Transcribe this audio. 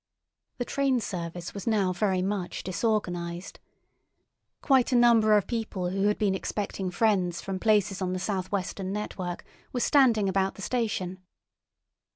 The train service was now very much disorganised. Quite a number of people who had been expecting friends from places on the South Western network were standing about the station.